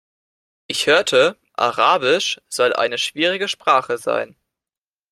Ich hörte, Arabisch soll eine schwierige Sprache sein.